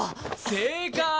正解。